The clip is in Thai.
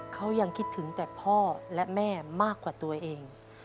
เขายังคิดถึงแต่พ่อและแม่มากกว่าตัวเอง